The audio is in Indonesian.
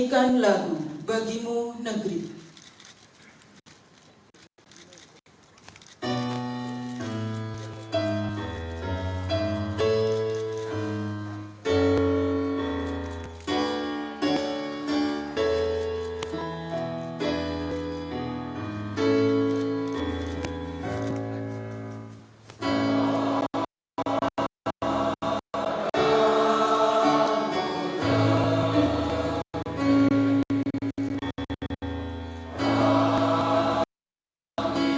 kami mohon bergenan